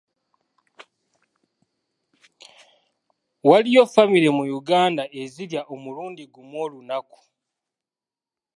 Waliyo famire mu Uganda ezirya omulundi gumu olunaku.